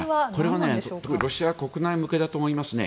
これは特にロシア国内向けだと思いますね。